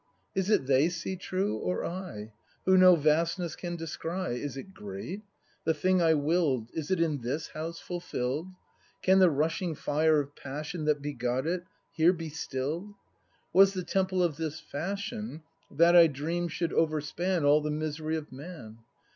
Is it they see true or I, Who no vastness can descry ? Is it great? The thing I will'd. Is it in this House fulfill'd ? Can the rushing fire of passion That begot it, here be still'd ? Was the Temple of this fashion That I dream'd should overspan All the misery of Man